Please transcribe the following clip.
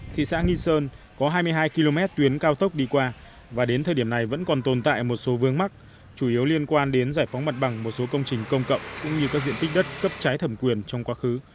thị xã nghi sơn có hai mươi hai km tuyến cao tốc đi qua và đến thời điểm này vẫn còn tồn tại một số vương mắc chủ yếu liên quan đến giải phóng mặt bằng một số công trình công cộng cũng như các diện tích đất cấp trái thẩm quyền trong quá khứ